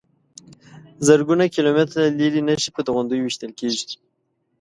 زرګونه کیلومتره لرې نښې په توغندیو ویشتل کېږي.